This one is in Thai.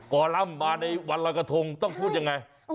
กอลัมมาในวัลกธงต้องพูดอย่างไร